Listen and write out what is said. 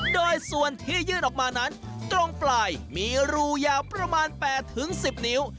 โดยส่วนที่ยื่นออกมานั้นตรงปลายมีรูยาวประมาณ๘๑๐นิ้ว